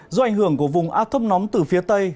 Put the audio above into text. do ảnh hưởng của vùng áp thấp nóng từ phía tây